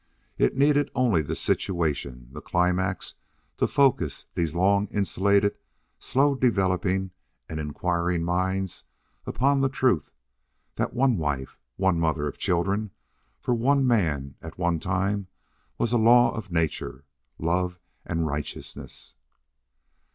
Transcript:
It needed only the situation, the climax, to focus these long insulated, slow developing and inquiring minds upon the truth that one wife, one mother of children, for one man at one time was a law of nature, love, and righteousness.